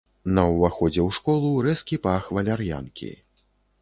На ўваходзе ў школу рэзкі пах валяр'янкі.